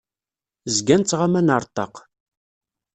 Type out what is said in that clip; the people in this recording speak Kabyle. Zgan ttɣaman ar ṭṭaq.